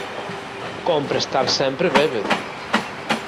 Cómpre estar sempre bébedo.